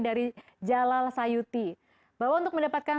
dari jalal sayuti bahwa untuk mendapatkan